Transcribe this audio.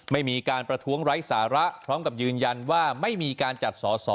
ไม่มีการประท้วงไร้สาระพร้อมกับยืนยันว่าไม่มีการจัดสอสอ